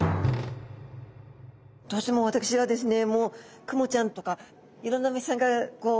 どうしても私はですね